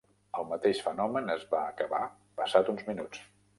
El mateix fenomen es va acabar passats uns minuts.